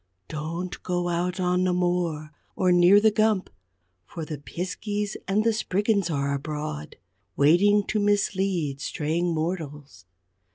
Don't go out on the moor, or near the Gump, for the Piskeys and the Spriggans are abroad, waiting to mislead straying mortals.